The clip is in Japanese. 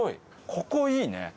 ここいいね。